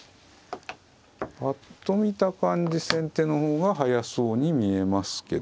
ぱっと見た感じ先手の方が早そうに見えますけど。